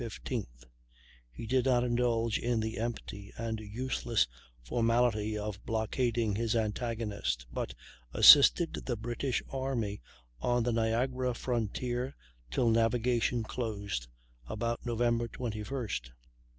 15th; he did not indulge in the empty and useless formality of blockading his antagonist, but assisted the British army on the Niagara frontier till navigation closed, about Nov. 21st.